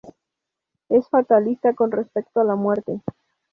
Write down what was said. Es fatalista con respecto a la muerte.